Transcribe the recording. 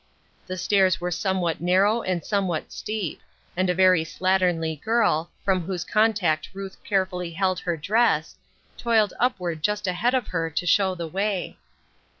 The stairs were somewhat narrow and somewhat steep ; and a very slatternly girl, from whose contact Ruth carefully held her dress, toiled upward just ahead of her to show the way.